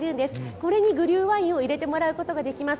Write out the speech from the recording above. これにグリューワインを入れてもらうことができます。